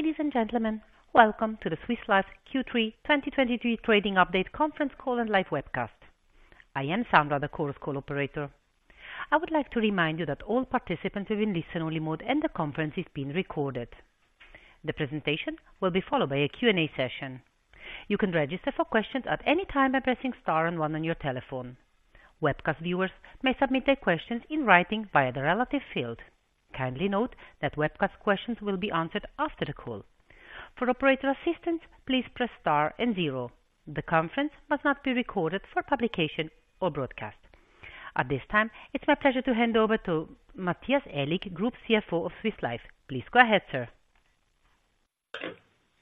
Ladies and gentlemen, welcome to Swiss Life's Q3 2023 Trading Update Conference Call and Live Webcast. I am Sandra, the conference call operator. I would like to remind you that all participants are in listen-only mode, and the conference is being recorded. The presentation will be followed by a Q&A session. You can register for questions at any time by pressing star and one on your telephone. Webcast viewers may submit their questions in writing via the relevant field. Kindly note that webcast questions will be answered after the call. For operator assistance, please press star and zero. The conference must not be recorded for publication or broadcast. At this time, it's my pleasure to hand over to Matthias Aellig, Group CFO of Swiss Life. Please go ahead, sir.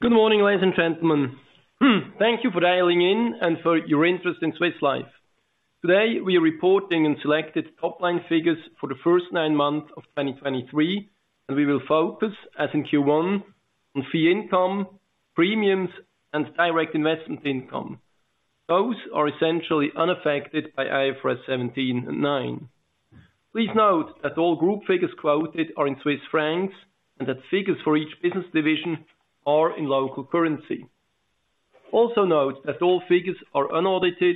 Good morning, ladies and gentlemen. Thank you for dialing in and for your interest in Swiss Life. Today, we are reporting in selected top-line figures for the first nine months of 2023, and we will focus, as in Q1, on fee income, premiums, and direct investment income. Those are essentially unaffected by IFRS 17 and 9. Please note that all group figures quoted are in Swiss francs, and that figures for each business division are in local currency. Also note that all figures are unaudited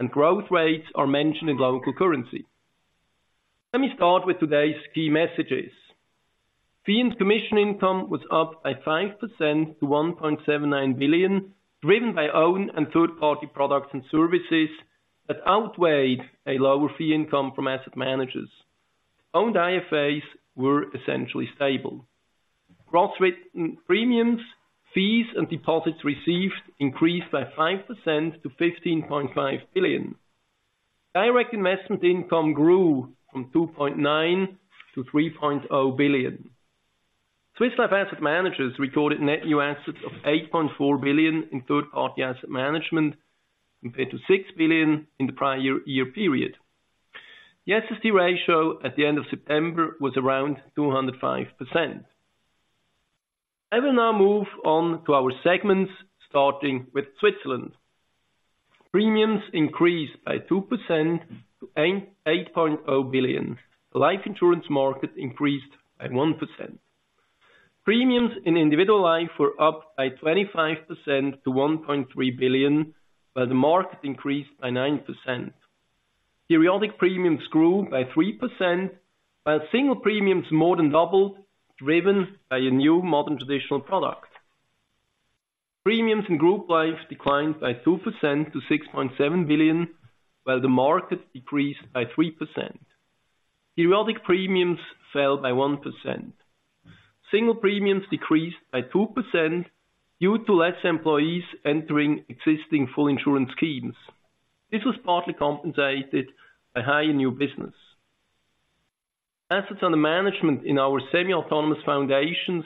and growth rates are mentioned in local currency. Let me start with today's key messages. Fee and commission income was up by 5% to 1.79 billion, driven by owned and third-party products and services, that outweighed a lower fee income from asset managers. Owned IFAs were essentially stable. Gross written premiums, fees, and deposits received increased by 5% to 15.5 billion. Direct investment income grew from 2.9 billion to 3.0 billion. Swiss Life Asset Managers recorded net new assets of 8.4 billion in third-party asset management, compared to 6 billion in the prior year period. The SST ratio at the end of September was around 205%. I will now move on to our segments, starting with Switzerland. Premiums increased by 2% to 8.8 billion. The life insurance market increased by 1%. Premiums in individual life were up by 25% to 1.3 billion, while the market increased by 9%. Periodic premiums grew by 3%, while single premiums more than doubled, driven by a new modern traditional product. Premiums in group life declined by 2% to 6.7 billion, while the market decreased by 3%. Periodic premiums fell by 1%. Single premiums decreased by 2% due to less employees entering existing full insurance schemes. This was partly compensated by higher new business. Assets under management in our semi-autonomous foundations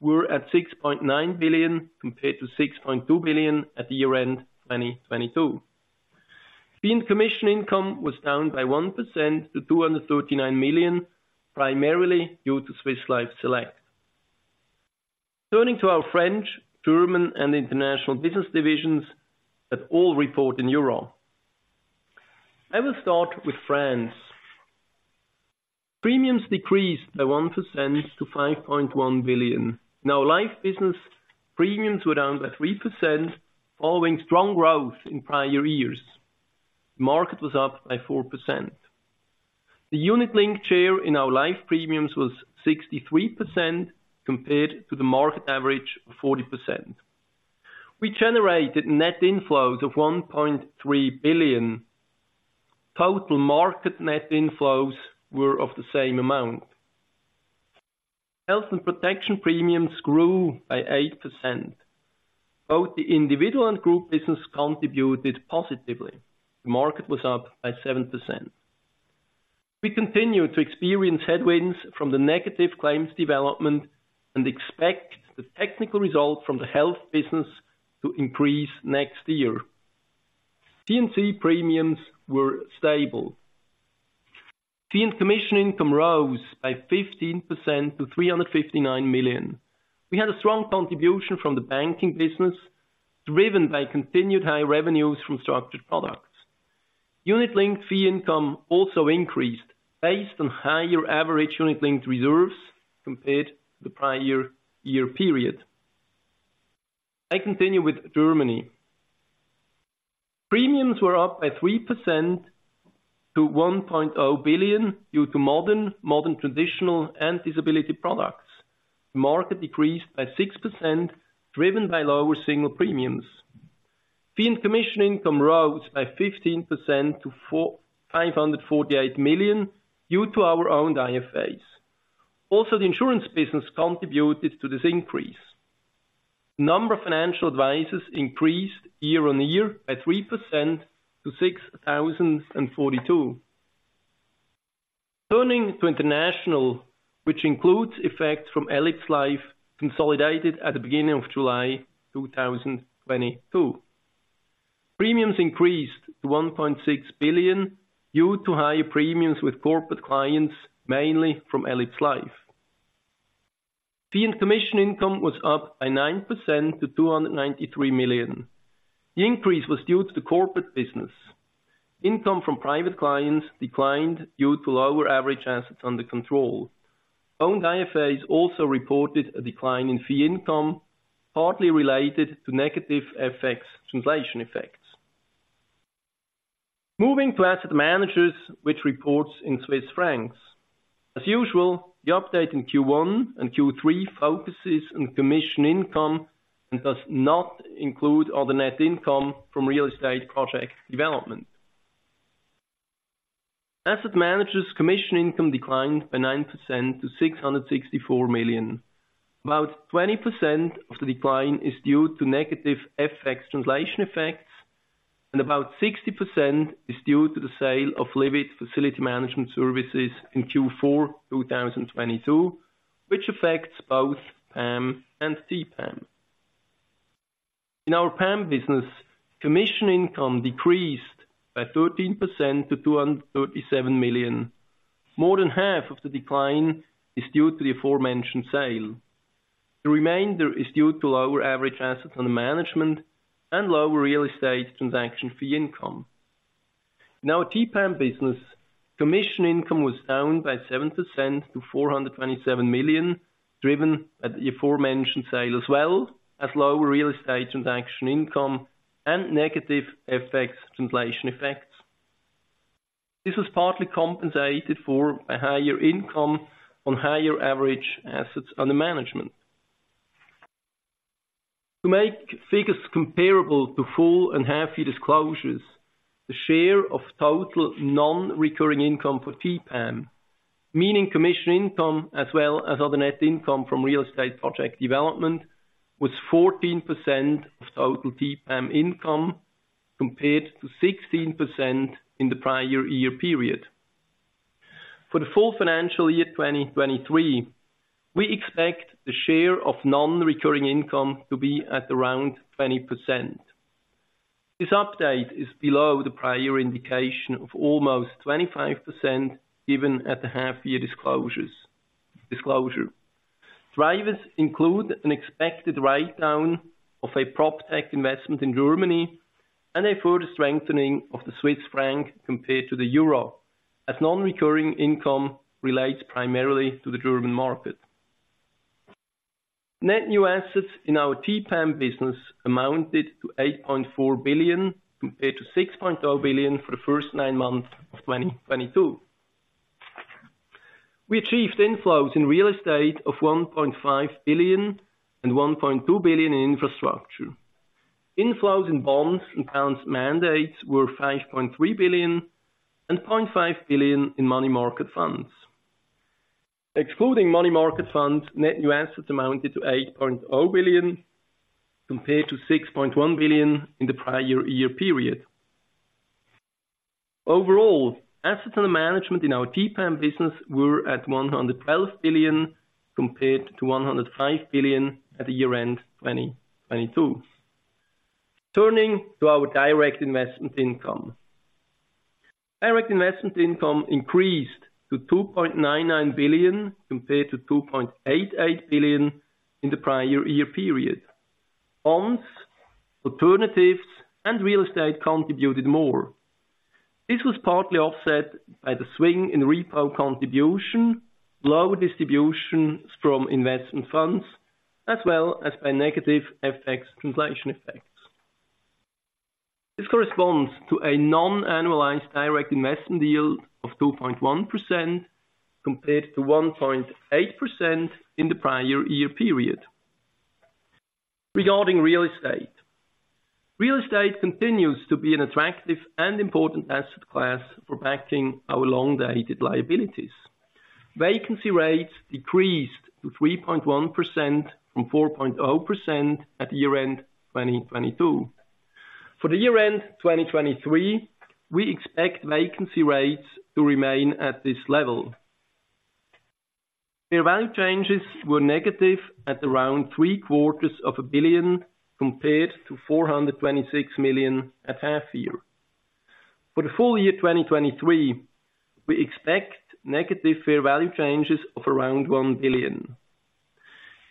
were at 6.9 billion, compared to 6.2 billion at the year-end 2022. Fee and commission income was down by 1% to 239 million, primarily due to Swiss Life Select. Turning to our French, German, and international business divisions that all report in euro. I will start with France. Premiums decreased by 1% to 5.1 billion. Now, life business premiums were down by 3%, following strong growth in prior years. Market was up by 4%. The unit-linked share in our life premiums was 63%, compared to the market average of 40%. We generated net inflows of 1.3 billion. Total market net inflows were of the same amount. Health and protection premiums grew by 8%. Both the individual and group business contributed positively. The market was up by 7%. We continue to experience headwinds from the negative claims development and expect the technical result from the health business to increase next year. P&C premiums were stable. Fee and commission income rose by 15% to 359 million. We had a strong contribution from the banking business, driven by continued high revenues from structured products. Unit-linked fee income also increased based on higher average unit-linked reserves compared to the prior year period. I continue with Germany. Premiums were up by 3% to 1.0 billion due to modern traditional and disability products. Margin decreased by 6%, driven by lower single premiums. Fee and commission income rose by 15% to 458 million, due to our owned IFAs. Also, the insurance business contributed to this increase. Number of financial advisors increased year-on-year by 3% to 6,042. Turning to international, which includes effects from elipsLife, consolidated at the beginning of July 2022. Premiums increased to 1.6 billion due to higher premiums with corporate clients, mainly from elipsLife. Fee and commission income was up by 9% to 293 million. The increase was due to the corporate business. Income from private clients declined due to lower average assets under management. Owned IFAs also reported a decline in fee income, partly related to negative FX translation effects. Moving to Asset Managers, which reports in Swiss francs. As usual, the update in Q1 and Q3 focuses on commission income and does not include other net income from real estate project development. Asset Managers commission income declined by 9% to 664 million. About 20% of the decline is due to negative FX translation effects, and about 60% is due to the sale of Livit facility management services in Q4 2022, which affects both PAM and TPAM. In our PAM business, commission income decreased by 13% to 237 million. More than half of the decline is due to the aforementioned sale. The remainder is due to lower average assets under management and lower real estate transaction fee income. In our TPAM business, commission income was down by 7% to 427 million, driven by the aforementioned sale, as well as lower real estate transaction income and negative FX translation effects. This was partly compensated for a higher income on higher average assets under management. To make figures comparable to full and half year disclosures, the share of total non-recurring income for TPAM, meaning commission income as well as other net income from real estate project development, was 14% of total TPAM income, compared to 16% in the prior year period. For the full financial year, 2023, we expect the share of non-recurring income to be at around 20%. This update is below the prior indication of almost 25%, given at the half year disclosures. Drivers include an expected write down of a PropTech investment in Germany and a further strengthening of the Swiss franc compared to the euro, as non-recurring income relates primarily to the German market. Net new assets in our TPAM business amounted to 8.4 billion, compared to 6.0 billion for the first nine months of 2022. We achieved inflows in real estate of 1.5 billion and 1.2 billion in infrastructure. Inflows in bonds and funds mandates were 5.3 billion and 0.5 billion in money market funds. Excluding money market funds, net new assets amounted to 8.0 billion, compared to 6.1 billion in the prior year period. Overall, assets under management in our TPAM business were at 112 billion, compared to 105 billion at year-end 2022. Turning to our direct investment income. Direct investment income increased to 2.99 billion, compared to 2.88 billion in the prior year period. Bonds, alternatives, and real estate contributed more. This was partly offset by the swing in repo contribution, lower distributions from investment funds, as well as by negative FX translation effects. This corresponds to a non-annualized direct investment yield of 2.1%, compared to 1.8% in the prior year period. Regarding real estate, real estate continues to be an attractive and important asset class for backing our long-dated liabilities. Vacancy rates decreased to 3.1% from 4.0% at year-end 2022. For year-end 2023, we expect vacancy rates to remain at this level. Fair value changes were negative at around 750 million, compared to 426 million at half year. For the full year 2023, we expect negative fair value changes of around 1 billion.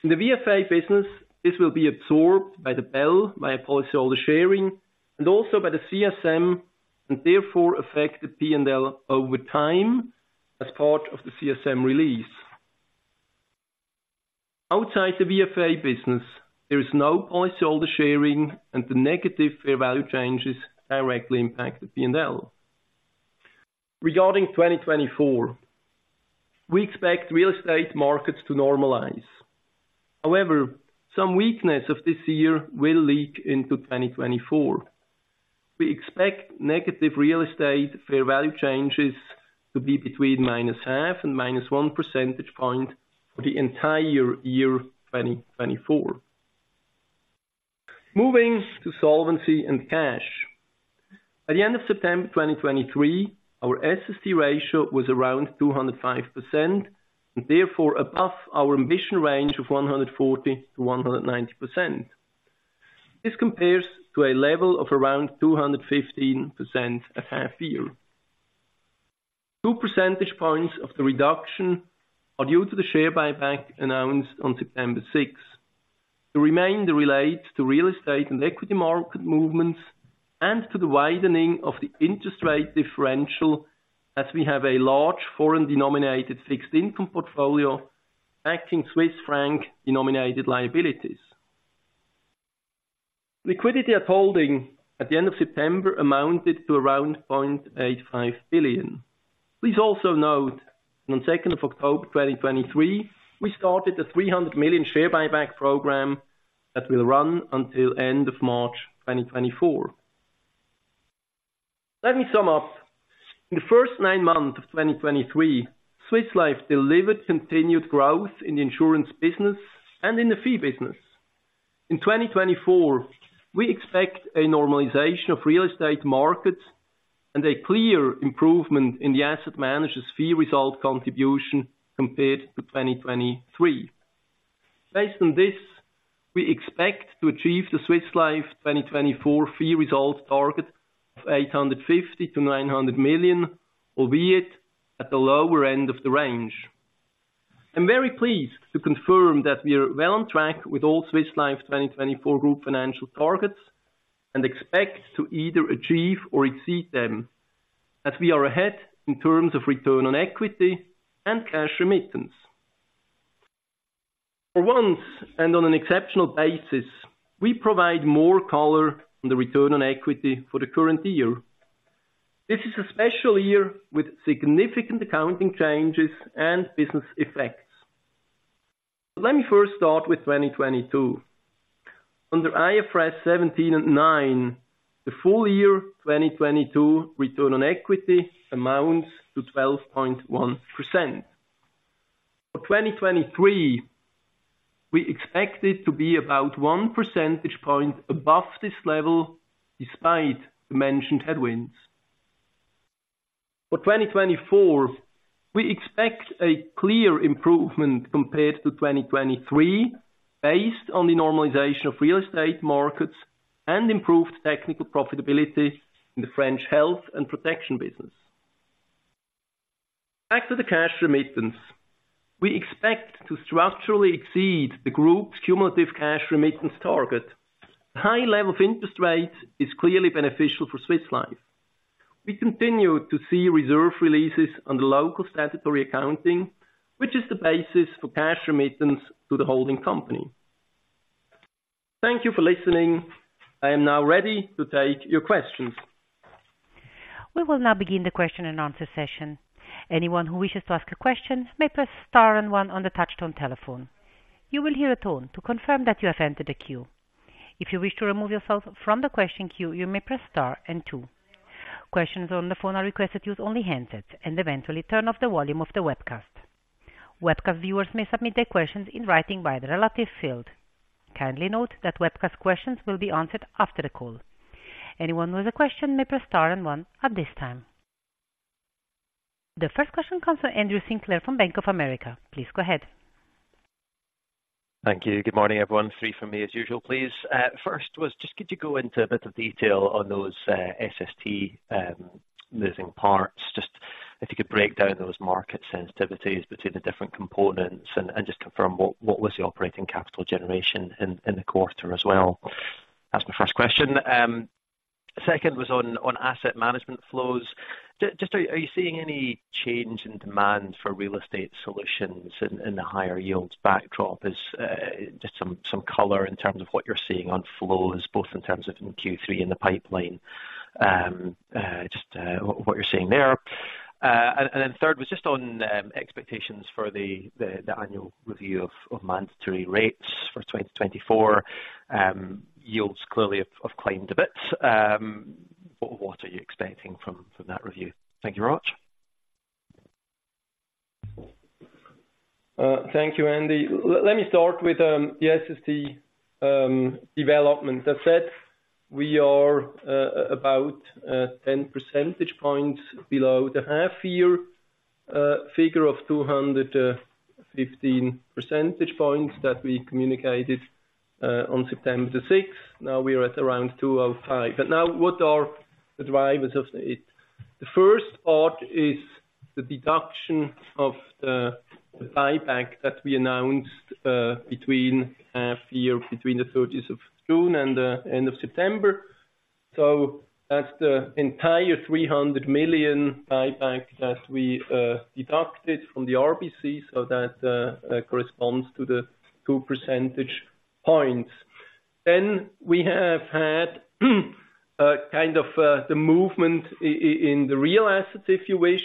In the VFA business, this will be absorbed by the buffer, by policyholder sharing, and also by the CSM, and therefore affect the P&L over time as part of the CSM release. Outside the VFA business, there is no policyholder sharing, and the negative fair value changes directly impact the P&L. Regarding 2024, we expect real estate markets to normalize. However, some weakness of this year will leak into 2024. We expect negative real estate fair value changes to be between -0.5 and -1 percentage point for the entire year 2024. Moving to solvency and cash. At the end of September 2023, our SST ratio was around 205%, and therefore above our ambition range of 140%-190%. This compares to a level of around 215% at half-year... Two percentage points of the reduction are due to the share buyback announced on September 6. The remainder relates to real estate and equity market movements, and to the widening of the interest rate differential, as we have a large foreign-denominated fixed income portfolio, against Swiss franc-denominated liabilities. Liquidity at holding at the end of September amounted to around 0.85 billion. Please also note, on October 2, 2023, we started a 300 million share buyback program that will run until end of March 2024. Let me sum up. In the first nine months of 2023, Swiss Life delivered continued growth in the insurance business and in the fee business. In 2024, we expect a normalization of real estate markets and a clear improvement in the asset managers fee result contribution compared to 2023. Based on this, we expect to achieve the Swiss Life 2024 fee results target of 850 million-900 million, albeit at the lower end of the range. I'm very pleased to confirm that we are well on track with all Swiss Life's 2024 group financial targets, and expect to either achieve or exceed them, as we are ahead in terms of return on equity and cash remittance. For once, and on an exceptional basis, we provide more color on the return on equity for the current year. This is a special year with significant accounting changes and business effects. Let me first start with 2022. Under IFRS 17 and nine, the full year 2022 return on equity amounts to 12.1%. For 2023, we expect it to be about one percentage point above this level, despite the mentioned headwinds. For 2024, we expect a clear improvement compared to 2023, based on the normalization of real estate markets and improved technical profitability in the French health and protection business. Back to the cash remittance. We expect to structurally exceed the group's cumulative cash remittance target. High level of interest rates is clearly beneficial for Swiss Life. We continue to see reserve releases on the local statutory accounting, which is the basis for cash remittance to the holding company. Thank you for listening. I am now ready to take your questions. We will now begin the question-and-answer session. Anyone who wishes to ask a question may press star and one on the touchtone telephone. You will hear a tone to confirm that you have entered the queue. If you wish to remove yourself from the question queue, you may press star and two. Questions on the phone are requested use only handsets and eventually turn off the volume of the webcast. Webcast viewers may submit their questions in writing by the relevant field. Kindly note that webcast questions will be answered after the call. Anyone with a question may press star and one at this time. The first question comes from Andrew Sinclair from Bank of America. Please go ahead. Thank you. Good morning, everyone. Three from me as usual, please. First was, just could you go into a bit of detail on those, SST, moving parts? Just if you could break down those market sensitivities between the different components and just confirm what was the operating capital generation in the quarter as well? That's my first question. Second was on asset management flows. Just are you seeing any change in demand for real estate solutions in the higher yields backdrop? Just some color in terms of what you're seeing on flows, both in terms of Q3 and the pipeline, just what you're seeing there. And then third was just on expectations for the annual review of mandatory rates for 2024. Yields clearly have climbed a bit. What are you expecting from that review? Thank you very much. Thank you, Andy. Let me start with the SST development. As said, we are about 10 percentage points below the half-year figure of 215 percentage points that we communicated on September the sixth. Now we are at around 205. But now, what are the drivers of it? The first part is the deduction of the buyback that we announced between the thirtieth of June and the end of September. That's the entire 300 million buyback that we deducted from the RBC, so that corresponds to the 2 percentage points. Then we have had kind of the movement in the real assets, if you wish,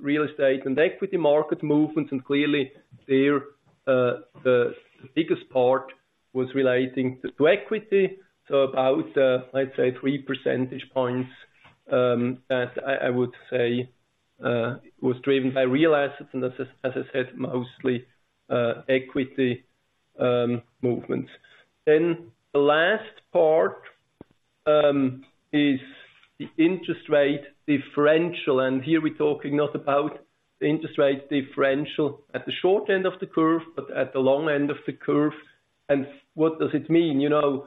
real estate and equity market movements, and clearly there the biggest part was relating to equity, so about let's say three percentage points as I would say was driven by real assets, and as I said, mostly equity movements. Then the last part is the interest rate differential, and here we're talking not about the interest rate differential at the short end of the curve, but at the long end of the curve. What does it mean? You know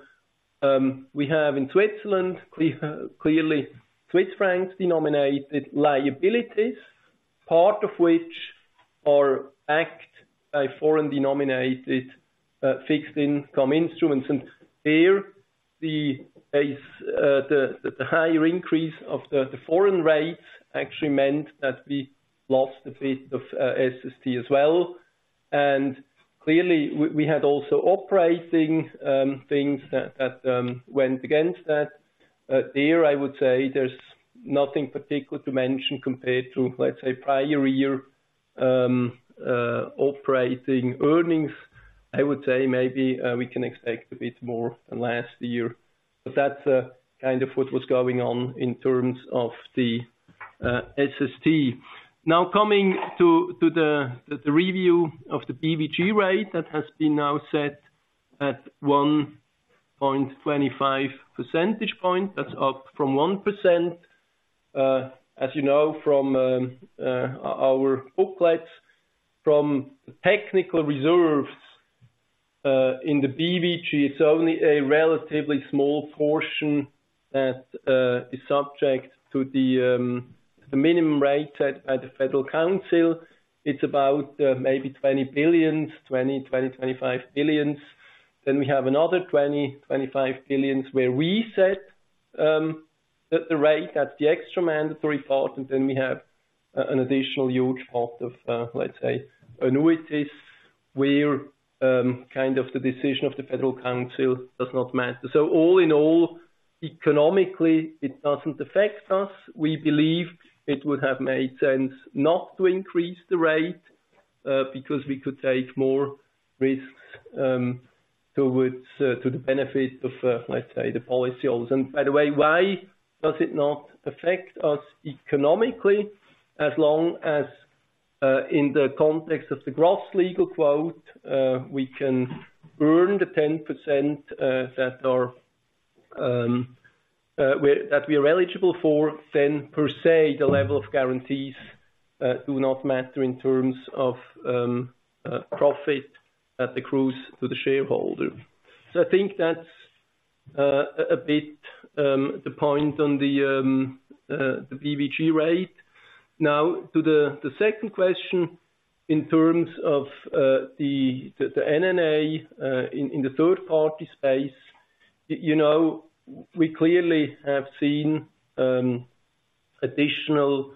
we have in Switzerland clearly Swiss francs denominated liabilities, part of which are backed by foreign denominated fixed income instruments. There, the base, the higher increase of the foreign rates actually meant that we lost a bit of SST as well. Clearly, we had also operating things that went against that. There, I would say there's nothing particular to mention compared to, let's say, prior year operating earnings. I would say maybe we can expect a bit more than last year, but that's kind of what was going on in terms of the SST. Now, coming to the review of the BVG rate, that has been now set at 1.25 percentage point. That's up from 1%. As you know, from our booklets, from the technical reserves, in the BVG, it's only a relatively small portion that is subject to the minimum rate set by the Federal Council. It's about maybe 20 billion-25 billion. Then we have another 20-25 billion, where we set the rate at the extra mandatory part, and then we have an additional huge part of, let's say, annuities, where kind of the decision of the Federal Council does not matter. All in all, economically, it doesn't affect us. We believe it would have made sense not to increase the rate, because we could take more risks towards to the benefit of, let's say, the policyholders. And by the way, why does it not affect us economically? As long as, in the context of the Gross Legal Quote, we can earn the 10%, that we are eligible for, then, per se, the level of guarantees do not matter in terms of profit accruing to the shareholder. I think that's a bit the point on the BVG rate. Now, to the second question, in terms of the NNA in the third party space, you know, we clearly have seen additional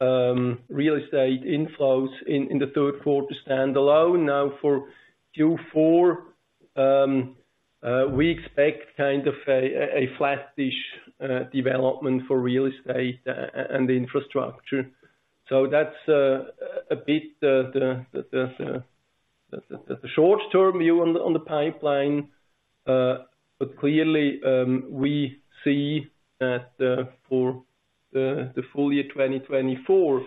real estate inflows in the third quarter standalone. Now, for Q4, we expect kind of a flatish development for real estate and infrastructure. That's a bit the short-term view on the pipeline. Clearly, we see that for the full year 2024,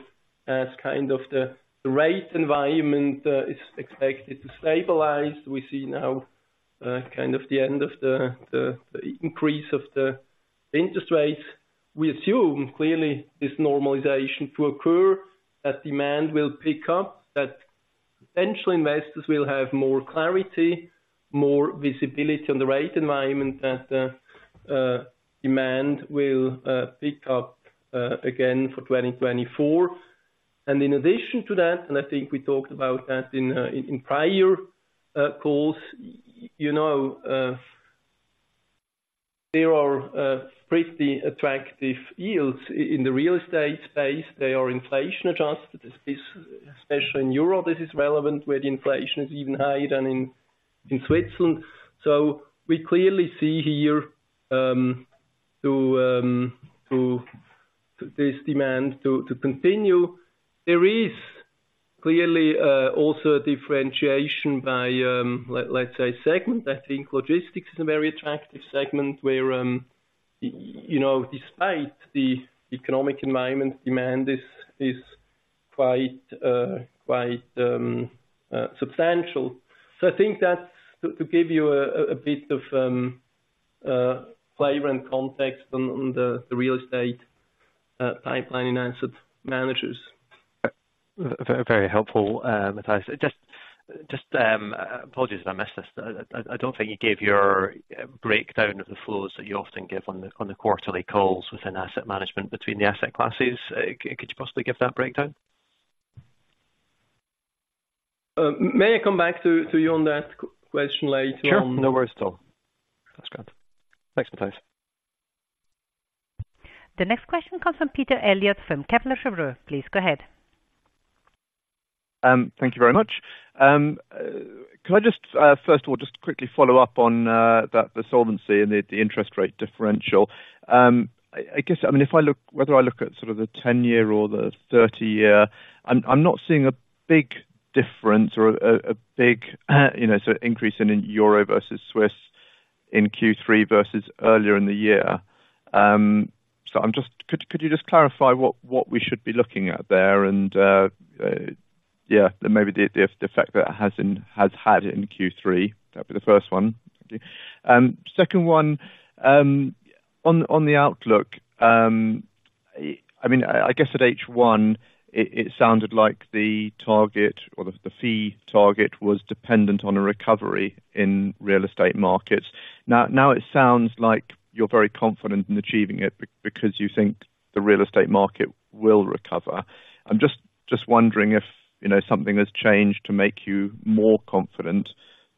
as kind of the rate environment is expected to stabilize. We see now kind of the end of the increase of the interest rates. We assume clearly this normalization to occur, that demand will pick up, that potential investors will have more clarity, more visibility on the rate environment, that demand will pick up again for 2024. And in addition to that, and I think we talked about that in prior calls, you know, there are pretty attractive yields in the real estate space. They are inflation-adjusted, especially in Europe, this is relevant, where the inflation is even higher than in Switzerland. So we clearly see here to this demand to continue. There is clearly also a differentiation by, let's say, segment. I think logistics is a very attractive segment, where you know, despite the economic environment, demand is quite substantial. So I think that's to give you a bit of flavor and context on the real estate pipeline in Asset Managers. Very helpful, Matthias. Just apologies if I missed this. I don't think you gave your breakdown of the flows that you often give on the quarterly calls within asset management between the asset classes. Could you possibly give that breakdown? May I come back to you on that question later on? Sure. No worries at all. That's great. Thanks, Matthias. The next question comes from Peter Eliot from Kepler Cheuvreux. Please go ahead. Thank you very much. Can I just, first of all, just quickly follow up on the solvency and the interest rate differential? I guess—I mean, if I look—whether I look at sort of the ten-year or the thirty-year, I'm not seeing a big difference or a big, you know, sort of increase in Euro versus Swiss in Q3 versus earlier in the year. I'm just... Could you just clarify what we should be looking at there, and yeah, and maybe the effect that has in—has had in Q3? That'd be the first one. Thank you. Second one, on the outlook... I mean, I guess at H1, it sounded like the target or the fee target was dependent on a recovery in real estate markets. Now it sounds like you're very confident in achieving it because you think the real estate market will recover. I'm just wondering if, you know, something has changed to make you more confident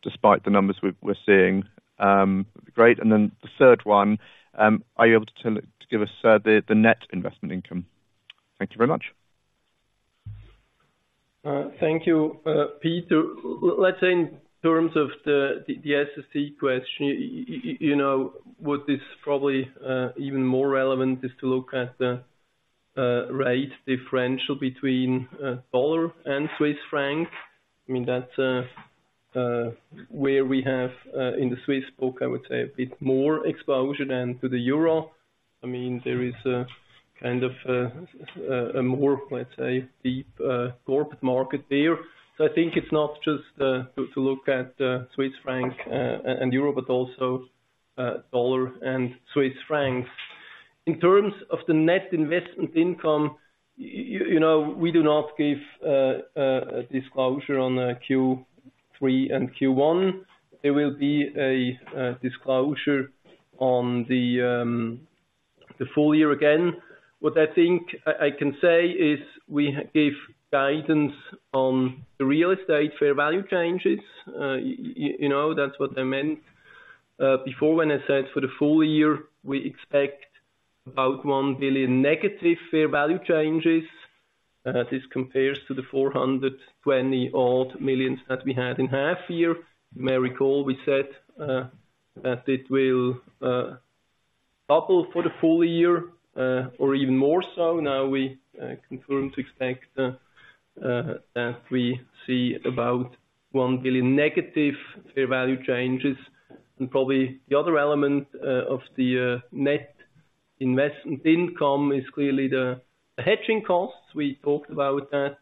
despite the numbers we're seeing. Great. Then the third one, are you able to give us the net investment income? Thank you very much. Thank you, Peter. Let's say in terms of the SSC question, you know, what is probably even more relevant is to look at the rate differential between US dollar and Swiss franc. I mean, that's where we have in the Swiss book, I would say a bit more exposure than to the euro. I mean, there is a kind of a more, let's say, deep corporate market there. I think it's not just to look at Swiss franc and euro, but also US dollar and Swiss francs. In terms of the net investment income, you know, we do not give a disclosure on Q3 and Q1. There will be a disclosure on the full year again. What I think I can say is we give guidance on the real estate fair value changes. You know, that's what I meant before, when I said for the full year, we expect about 1 billion negative fair value changes. This compares to the 420 odd million that we had in half year. You may recall we said that it will double for the full year or even more so. Now we confirm to expect that we see about 1 billion negative fair value changes. Probably the other element of the net investment income is clearly the hedging costs. We talked about that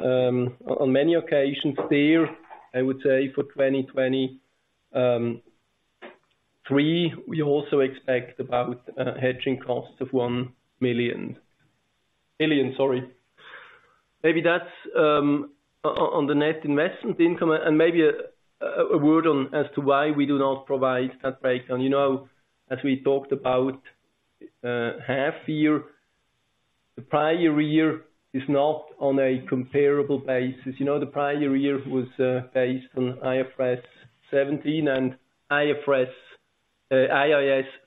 on many occasions there. I would say for 2023, we also expect about hedging costs of 1 billion. Maybe that's on the net investment income, and maybe a word on as to why we do not provide that breakdown. You know, as we talked about, half year, the prior year is not on a comparable basis. You know, the prior year was based on IFRS 17 and IAS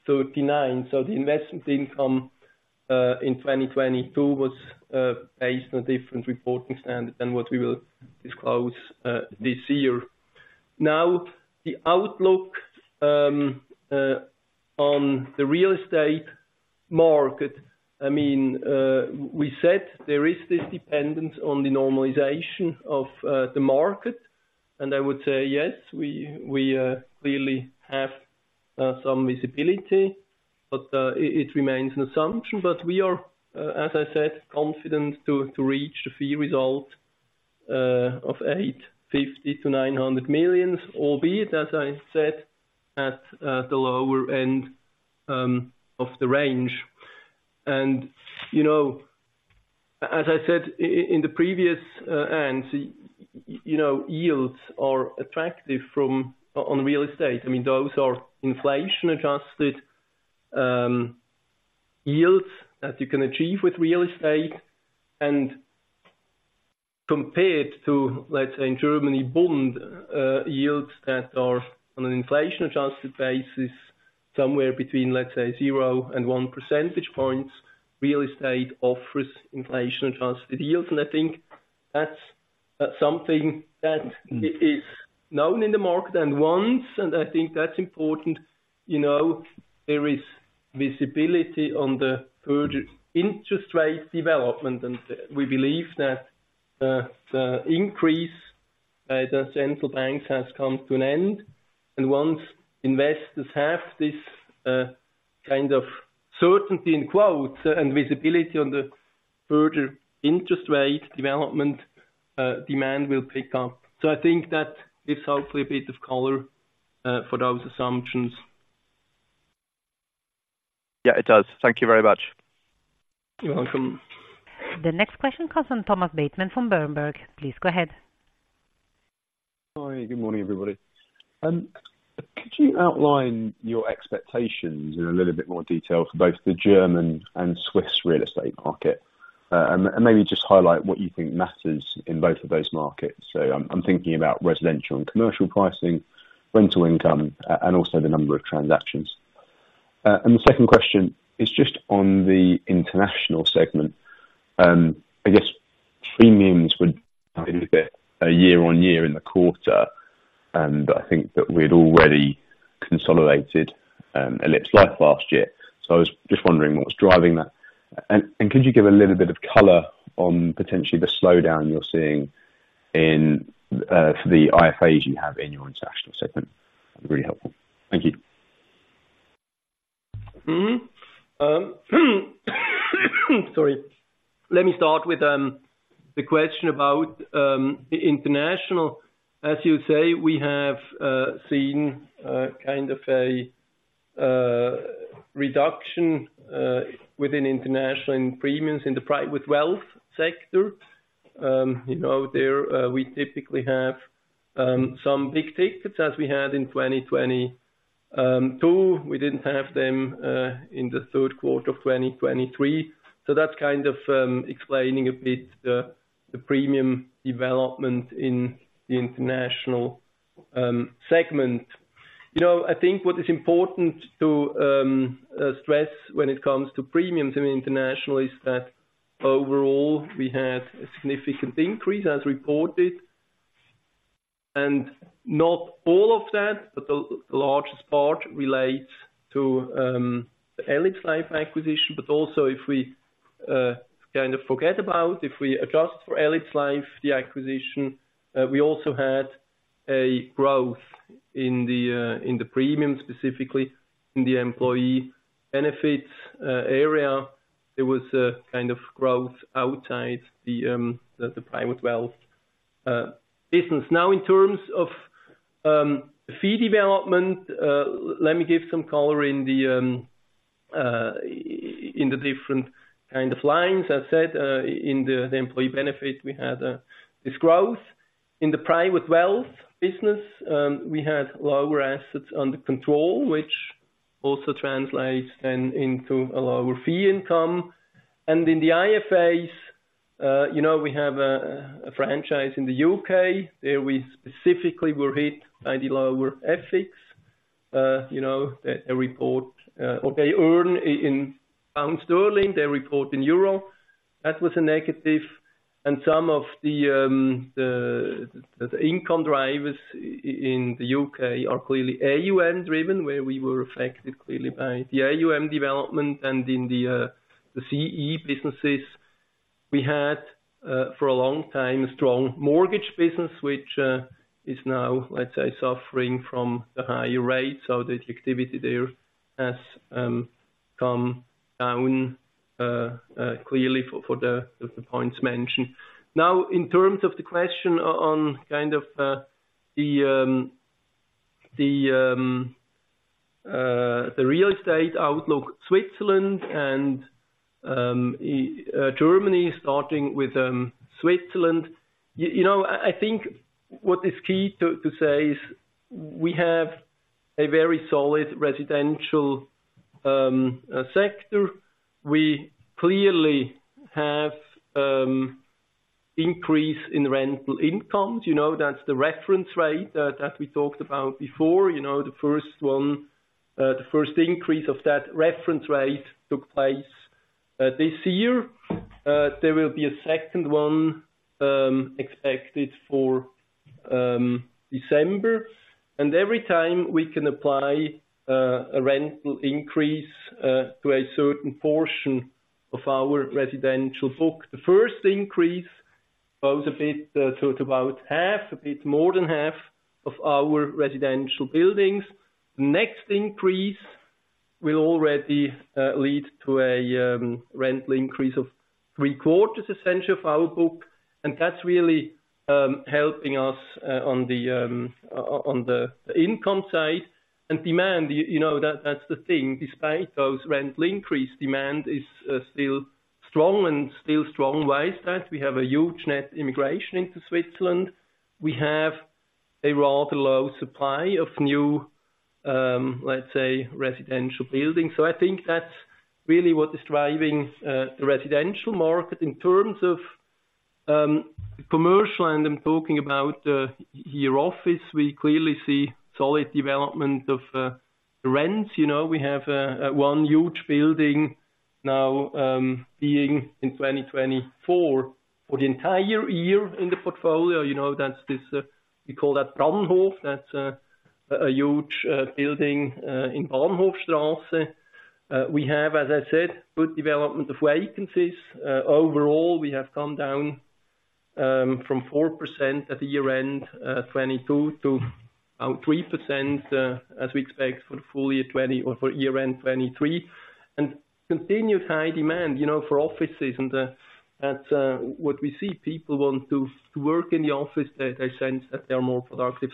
39. So the investment income in 2022 was based on different reporting standards than what we will disclose this year. Now, the outlook on the real estate market, I mean, we said there is this dependence on the normalization of the market. And I would say, yes, we clearly have some visibility, but it remains an assumption. We are, as I said, confident to reach the fee result of 850 million-900 million, albeit, as I said, at the lower end of the range. As I said in the previous end, you know, yields are attractive on real estate. I mean, those are inflation-adjusted yields that you can achieve with real estate. Compared to, let's say, in Germany, Bund yields that are on an inflation-adjusted basis, somewhere between, let's say, 0-1 percentage points, real estate offers inflation-adjusted yields. And I think that's something that is known in the market and once, and I think that's important, you know, there is visibility on the further interest rate development. And we believe that the increase by the central banks has come to an end. Once investors have this kind of "certainty" and visibility on the further interest rate development, demand will pick up. So I think that gives hopefully a bit of color for those assumptions. Yeah, it does. Thank you very much. You're welcome. The next question comes from Thomas Bateman, from Berenberg. Please go ahead. Hi, good morning, everybody. Could you outline your expectations in a little bit more detail for both the German and Swiss real estate market? And maybe just highlight what you think matters in both of those markets. So I'm thinking about residential and commercial pricing, rental income, and also the number of transactions. And the second question is just on the international segment. I guess premiums were a little bit year on year in the quarter, and I think that we'd already consolidated elipsLife last year. So I was just wondering what was driving that. Could you give a little bit of color on potentially the slowdown you're seeing in the IFAs you have in your international segment? That'd be really helpful. Thank you. Sorry. Let me start with the question about international, as you say, we have seen kind of a reduction within international and premiums in the private wealth sector. You know, there we typically have some big tickets, as we had in 2022. We didn't have them in the third quarter of 2023. That's kind of explaining a bit the premium development in the international segment. You know, I think what is important to stress when it comes to premiums in international is that overall we had a significant increase as reported, and not all of that, but the largest part relates to the elipsLife acquisition. Also, if we forget about, if we adjust for elipsLife, the acquisition, we also had a growth in the premium, specifically in the employee benefits area. There was growth outside the private wealth business. Now, in terms of fee development, let me give some color in the different lines. I said, in the employee benefits, we had this growth. In the private wealth business, we had lower assets under management, which also translates then into a lower fee income. And in the IFAs, you know, we have a franchise in the U.K. There we specifically were hit by the lower FX. You know, they earn in pound sterling, they report in euro. That was a negative, and some of the income drivers in the U.K. are clearly AUM driven, where we were affected clearly by the AUM development. And in the CE businesses we had, for a long time, a strong mortgage business, which is now, let's say, suffering from the higher rates. The activity there has come down clearly for the points mentioned. Now, in terms of the question on kind of the real estate outlook, Switzerland and in Germany, starting with Switzerland. You know, I think what is key to say is we have a very solid residential sector. We clearly have increase in rental incomes. You know, that's the reference rate that we talked about before. You know, the first one, the first increase of that reference rate took place this year. There will be a second one expected for December, and every time we can apply a rental increase to a certain portion of our residential book. The first increase goes a bit to about half, a bit more than half of our residential buildings. The next increase will already lead to a rental increase of three quarters, essentially, of our book, and that's really helping us on the income side and demand. You know, that's the thing. Despite those rental increases, demand is still strong and still strong ways that we have a huge net immigration into Switzerland. We have a rather low supply of new, let's say, residential buildings. I think that's really what is driving the residential market. In terms of commercial, and I'm talking about your office, we clearly see solid development of the rents. You know, we have one huge building now being in 2024 for the entire year in the portfolio, you know, that's this, we call that Brannhof. That's a huge building in Bahnhofstrasse. We have, as I said, good development of vacancies. Overall, we have come down from 4% at the year-end 2022 to about 3% as we expect for the full year 2023 or for year-end 2023. And continued high demand, you know, for offices and that's what we see. People want to work in the office, that they sense that they are more productive.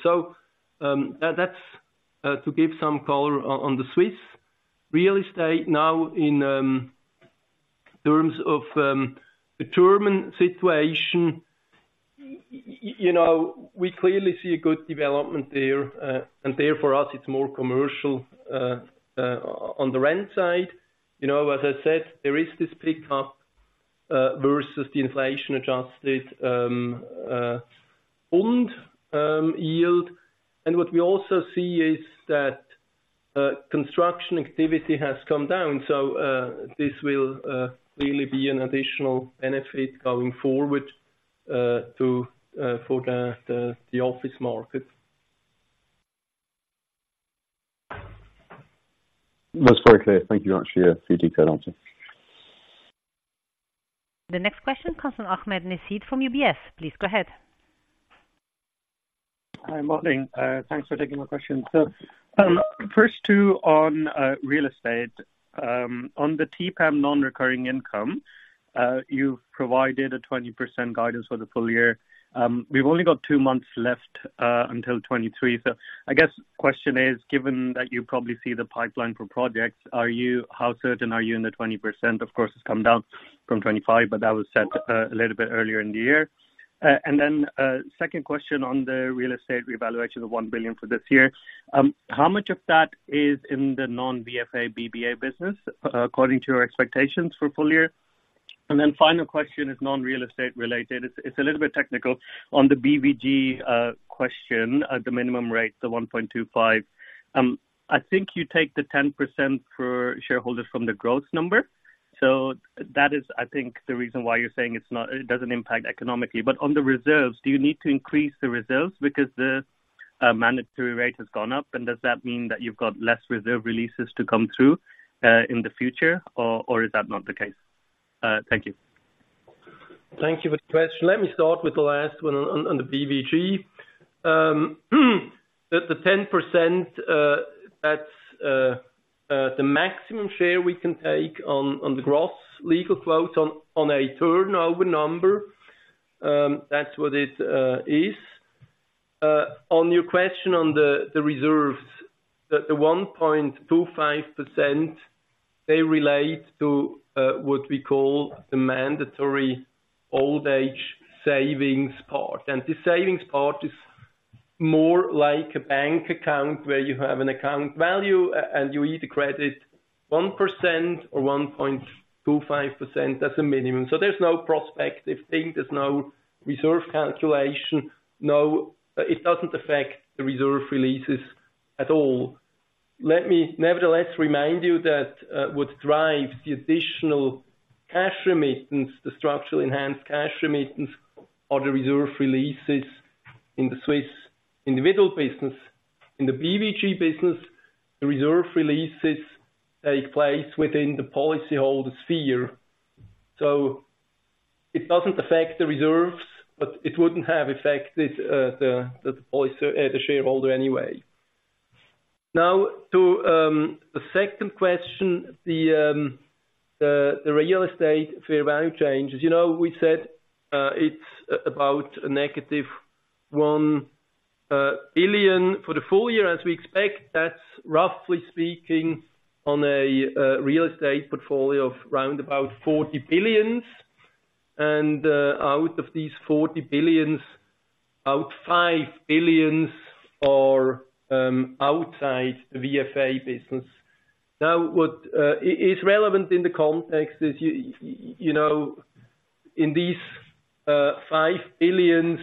That's to give some color on the Swiss real estate. Now, in terms of the German situation, you know, we clearly see a good development there, and therefore it's more commercial on the rent side. You know, as I said, there is this pickup versus the inflation-adjusted bond yield. And what we also see is that construction activity has come down, so this will really be an additional benefit going forward to the office market. That's very clear. Thank you very much for your detailed answer. The next question comes from Ahmed Nasib from UBS. Please go ahead. Hi, morning. Thanks for taking my question. First two on real estate. On the TPAM non-recurring income, you've provided a 20% guidance for the full year. We've only got two months left until 2023. So I guess question is, given that you probably see the pipeline for projects, how certain are you in the 20%? Of course, it's come down from 25, but that was set a little bit earlier in the year. And then, second question on the real estate revaluation of 1 billion for this year. How much of that is in the non-VFA BBA business, according to your expectations for full year? And then final question is non-real estate related. It's a little bit technical. On the BVG question, at the minimum rate, the 1.25. I think you take the 10% for shareholders from the growth number, so that is, I think, the reason why you're saying it's not, it doesn't impact economically. But on the reserves, do you need to increase the reserves because the mandatory rate has gone up? And does that mean that you've got less reserve releases to come through in the future, or is that not the case? Thank you. Thank you for the question. Let me start with the last one on the BVG. The ten percent, that's the maximum share we can take on the Gross Legal Quote on a turnover number. That's what it is. On your question on the reserves, the one point two five percent, they relate to what we call the mandatory old age savings part. And the savings part is more like a bank account, where you have an account value and you either credit one percent or one point two five percent, that's a minimum. So there's no prospective thing. There's no reserve calculation. No, it doesn't affect the reserve releases at all. Let me nevertheless remind you that what drives the additional cash remittance, the structural enhanced cash remittance, are the reserve releases in the Swiss individual business. In the BVG business, the reserve releases take place within the policyholder sphere, so it doesn't affect the reserves, but it wouldn't have affected the policy the shareholder anyway. Now, to the second question, the real estate fair value changes. You know, we said it's about a negative 1 billion for the full year, as we expect. That's roughly speaking on a real estate portfolio of round about 40 billion. And out of these 40 billion, about 5 billion are outside the VFA business. Now, what is relevant in the context is you know, in these 5 billion,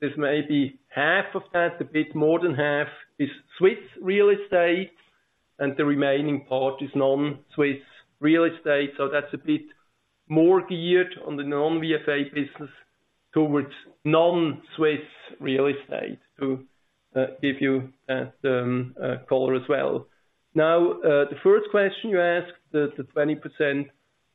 there's maybe half of that, a bit more than half, is Swiss real estate, and the remaining part is non-Swiss real estate. That's a bit more geared on the non-VFA business towards non-Swiss real estate, to give you a color as well. Now, the first question you asked, the 20%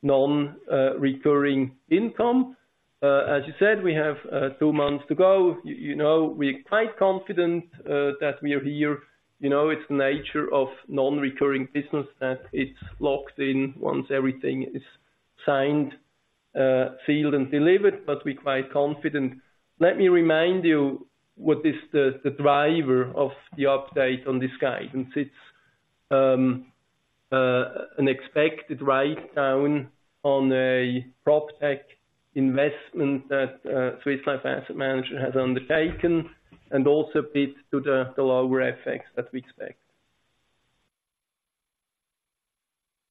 non-recurring income. As you said, we have two months to go. You know, we're quite confident that we are here. You know, it's the nature of non-recurring business that it's locked in once everything is signed, sealed, and delivered, but we're quite confident. Let me remind you what is the driver of the update on this guidance. It's an expected write-down on a prop tech investment that Swiss Life Asset Managers has undertaken, and also due to the lower effects that we expect.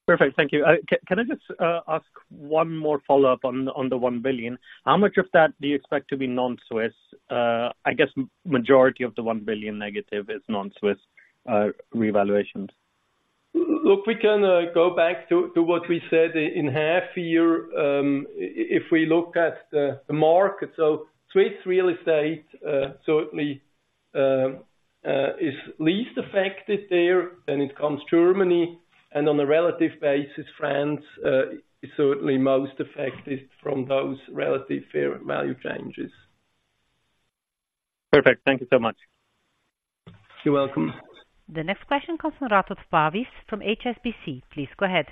Perfect. Thank you. Can I just ask one more follow-up on the 1 billion? How much of that do you expect to be non-Swiss? I guess majority of the 1 billion negative is non-Swiss revaluations. Look, we can go back to what we said in half year. If we look at the market, so Swiss real estate certainly is least affected there. Then it comes Germany, and on a relative basis, France is certainly most affected from those relative fair value changes. Perfect. Thank you so much. You're welcome. The next question comes from Kailesh Mistry from HSBC. Please go ahead.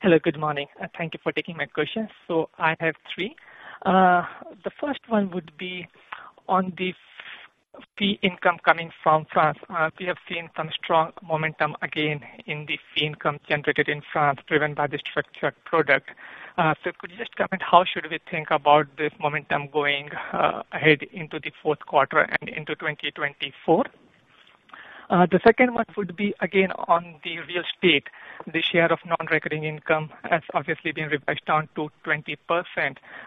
Hello, good morning, and thank you for taking my questions. I have three. The first one would be on the fee income coming from France. We have seen some strong momentum again in the fee income generated in France, driven by the structured product. So could you just comment, how should we think about this momentum going ahead into the fourth quarter and into 2024? The second one would be again on the real estate. The share of non-recurring income has obviously been revised down to 20%.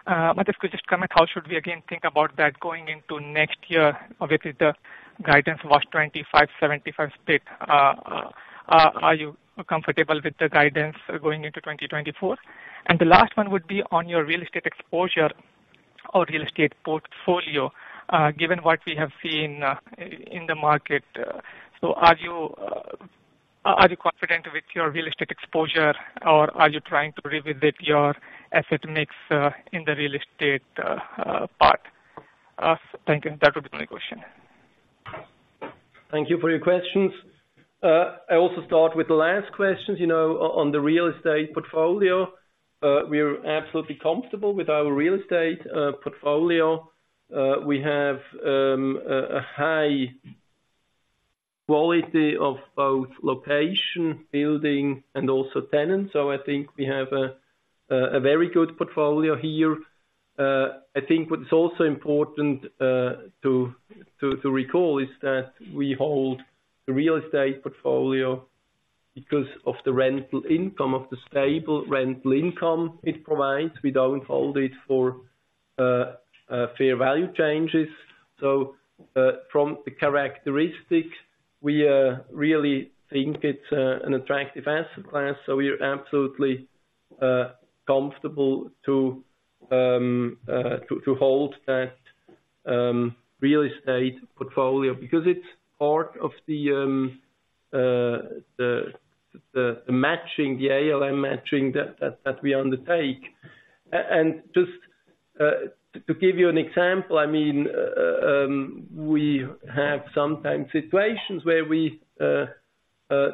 But if you could just comment, how should we again think about that going into next year? Obviously, the guidance was 25-75 split. Are you comfortable with the guidance going into 2024? The last one would be on your real estate exposure or real estate portfolio, given what we have seen in the market. Are you confident with your real estate exposure, or are you trying to revisit your asset mix in the real estate part? Thank you. That would be my question. Thank you for your questions. I also start with the last questions, you know, on the real estate portfolio. We are absolutely comfortable with our real estate portfolio. We have a high quality of both location, building, and also tenants, so I think we have a very good portfolio here. I think what is also important to recall is that we hold the real estate portfolio because of the rental income, of the stable rental income it provides. We don't hold it for fair value changes. From the characteristics, we really think it's an attractive asset class, so we are absolutely comfortable to hold that real estate portfolio because it's part of the matching, the ALM matching that we undertake. And just to give you an example, I mean, we have sometimes situations where we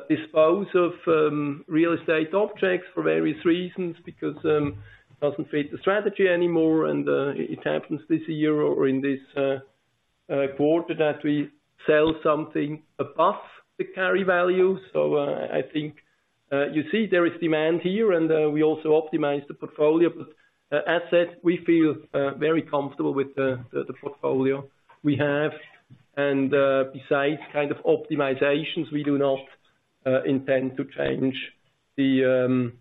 dispose of real estate objects for various reasons because it doesn't fit the strategy anymore. And it happens this year or in this quarter, that we sell something above the carry value. So, I think you see there is demand here, and we also optimize the portfolio asset. We feel very comfortable with the portfolio we have, and besides kind of optimizations, we do not intend to change the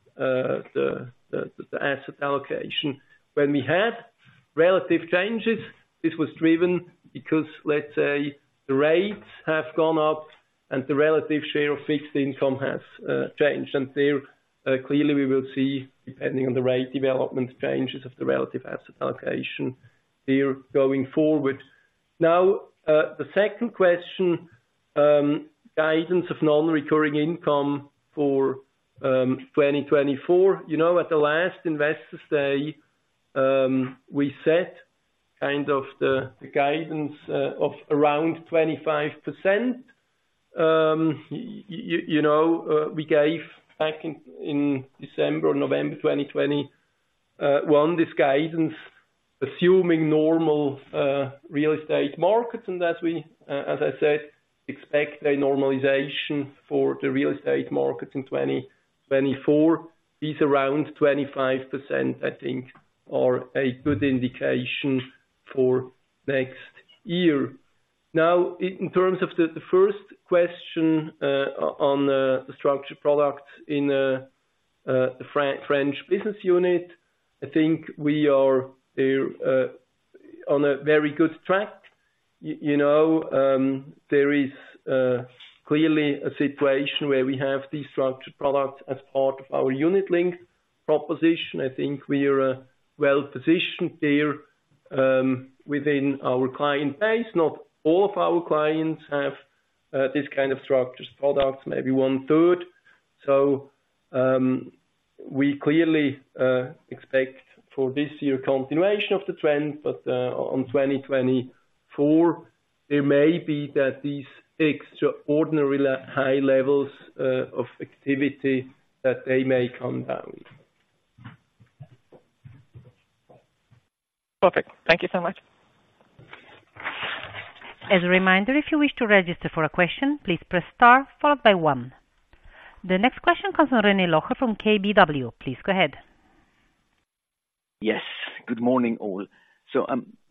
asset allocation. When we had relative changes, this was driven because, let's say, the rates have gone up and the relative share of fixed income has changed. There clearly we will see, depending on the rate development, changes of the relative asset allocation there going forward. Now, the second question, guidance of non-recurring income for 2024. You know, at the last investor day, we set kind of the guidance of around 25%. You know, we gave back in December or November 2021, this guidance, assuming normal real estate markets. As we, as I said, expect a normalization for the real estate market in 2024, is around 25%, I think, are a good indication for next year. Now, in terms of the first question, on the structured products in the French business unit, I think we are on a very good track. You know, there is clearly a situation where we have these structured products as part of our unit-linked proposition. I think we are well positioned there, within our client base. Not all of our clients have this kind of structured products, maybe one-third. We clearly expect for this year continuation of the trend, but on 2024, it may be that these extraordinary high levels of activity that they may come down. Perfect. Thank you so much. As a reminder, if you wish to register for a question, please press star followed by one. The next question comes from Rene Locher from KBW. Please go ahead. Yes, good morning, all.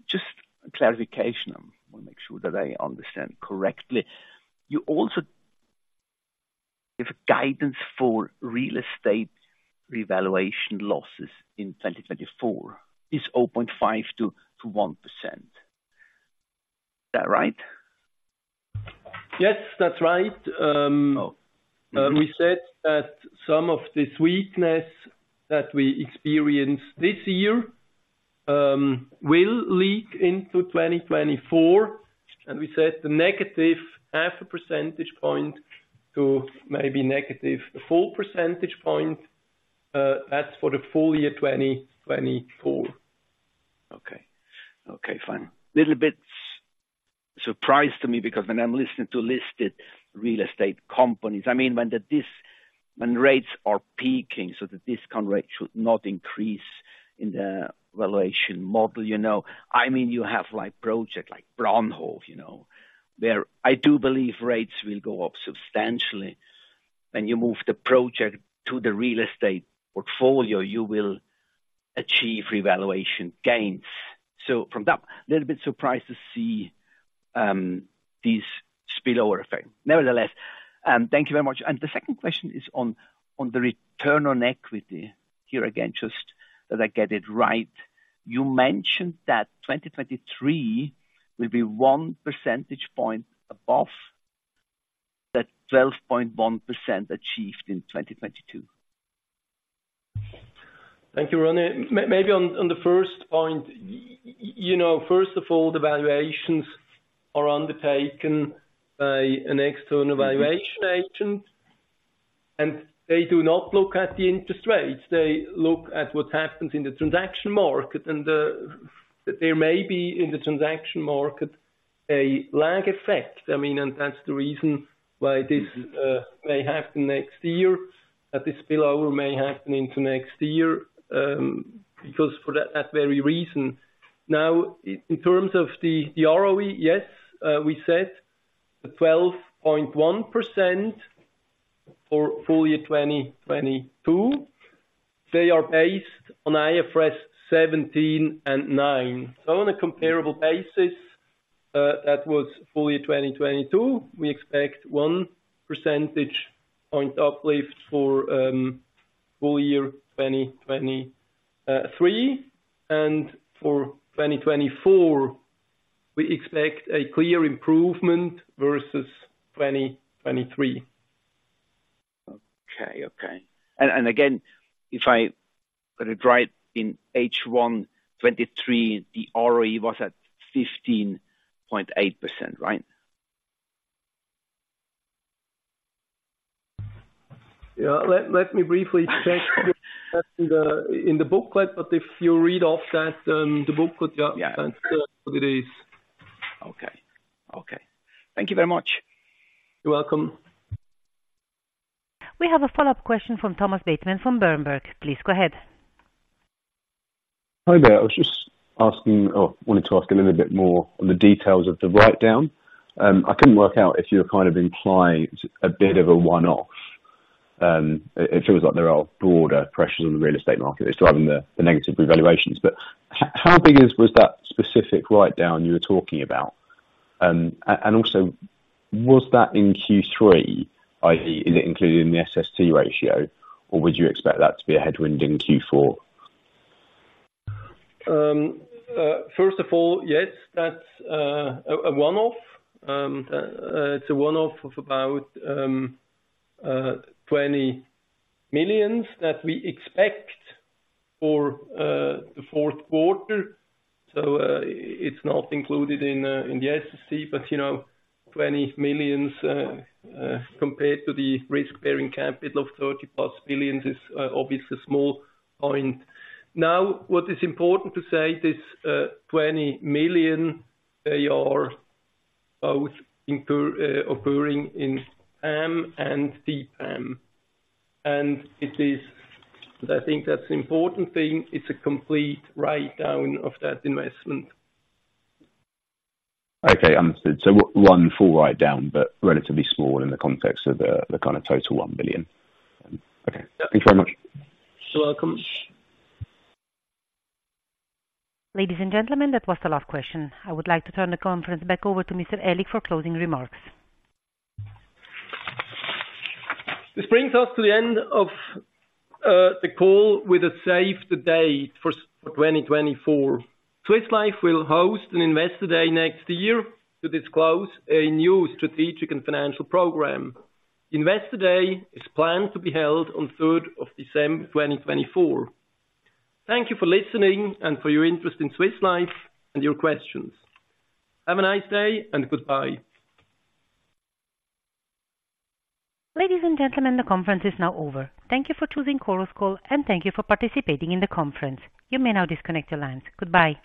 Just a clarification. I want to make sure that I understand correctly. You also give guidance for real estate revaluation losses in 2024 is 0.5% to 1%. Is that right? Yes, that's right. Oh. We said that some of this weakness that we experienced this year will leak into 2024, and we said the negative 0.5 percentage point to maybe negative 4 percentage points, that's for the full year, 2024. Okay. Okay, fine. Little bit surprised to me, because when I'm listening to listed real estate companies, I mean, when rates are peaking, so the discount rate should not increase in the valuation model, you know. I mean, you have like project, like Branhoff, you know, where I do believe rates will go up substantially. When you move the project to the real estate portfolio, you will achieve revaluation gains. From that, little bit surprised to see this spillover effect. Nevertheless, thank you very much. The second question is on the return on equity. Here, again, just that I get it right: You mentioned that 2023 will be one percentage point above the 12.1% achieved in 2022? Thank you, Rene. Maybe on the first point, you know, first of all, the valuations are undertaken by an external valuation agent, and they do not look at the interest rates. They look at what happens in the transaction market, and there may be in the transaction market, a lag effect. I mean, and that's the reason why this may happen next year, that this spillover may happen into next year, because for that very reason. Now, in terms of the ROE, yes, we said the 12.1% for full year 2022. They are based on IFRS 17 and 9. On a comparable basis, that was full year 2022, we expect 1 percentage point uplift for full year 2023, and for 2024, we expect a clear improvement versus 2023. Okay. Okay. Again, if I got it right, in H1 2023, the ROE was at 15.8%, right? Yeah. Let me briefly check in the booklet, but if you read off that, the booklet, yeah- Yeah. That's, it is. Okay. Okay. Thank you very much. You're welcome. We have a follow-up question from Thomas Bateman from Berenberg. Please go ahead. Hi there. I was just asking or wanted to ask a little bit more on the details of the write-down. I couldn't work out if you were kind of implying a bit of a one-off. It feels like there are broader pressures on the real estate market that's driving the negative revaluations. But how big is, was that specific write-down you were talking about? Was that in Q3, i.e., is it included in the SST ratio, or would you expect that to be a headwind in Q4? First of all, yes, that's a one-off. It's a one-off of about 20 million that we expect for the fourth quarter. So, it's not included in the SST, but, you know, 20 million compared to the risk-bearing capital of 30-plus billion is obviously a small point. Now, what is important to say, this 20 million, they are both internally occurring in AM and TPAM. And it is... I think that's the important thing, it's a complete write-down of that investment. Okay, understood. One full write-down, but relatively small in the context of the kind of total 1 billion. Okay. Thank you very much. You're welcome. Ladies and gentlemen, that was the last question. I would like to turn the conference back over to Mr. Aellig for closing remarks. This brings us to the end of the call with a save the date for 2024. Swiss Life will host an Investor Day next year to disclose a new strategic and financial program. Investor Day is planned to be held on third of December 2024. Thank you for listening and for your interest in Swiss Life and your questions. Have a nice day and goodbye. Ladies and gentlemen, the conference is now over. Thank you for choosing Chorus Call, and thank you for participating in the conference. You may now disconnect your lines. Goodbye.